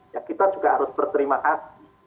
ya kita juga harus berterima kasih